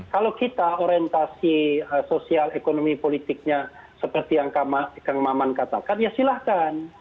kalau kita orientasi sosial ekonomi politiknya seperti yang kang maman katakan ya silahkan